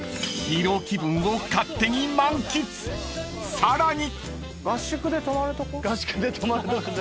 ［さらに］